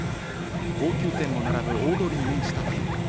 高級店も並ぶ大通りに面した店舗。